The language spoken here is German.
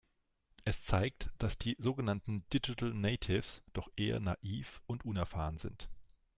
Es zeigt, dass die sogenannten Digital Natives doch eher naiv und unerfahren sind.